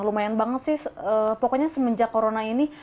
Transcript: lumayan banget sih pokoknya semenjak corona ini